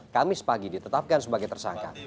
kamis pagi ditetapkan sebagai tersangka